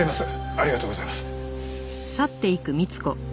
ありがとうございます。